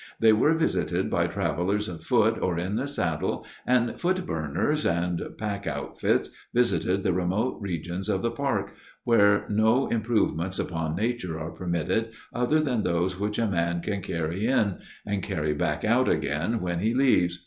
They were visited by travelers afoot or in the saddle, and "foot burners" and pack outfits visited the remote regions of the park, where no improvements upon nature are permitted other than those which a man can carry in—and carry back out again when he leaves.